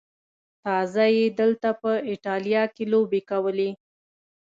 تازه یې دلته په ایټالیا کې لوبې کولې.